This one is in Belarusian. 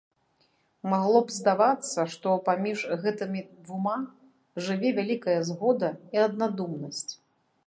Магло б здавацца, што паміж гэтымі двума жыве вялікая згода і аднадумнасць.